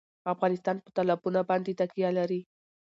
افغانستان په تالابونه باندې تکیه لري.